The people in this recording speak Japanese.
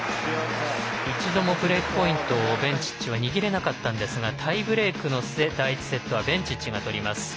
一度もブレークポイントをベンチッチは握れなかったんですがタイブレークの末第１セットはベンチッチが取ります。